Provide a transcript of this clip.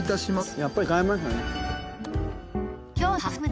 やっぱり違いますよね。